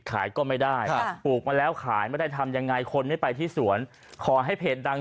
ขายก็ไม่ได้ปลูกมาแล้วขายไม่ได้ทำยังไงคนไม่ไปที่สวนขอให้เพจดัง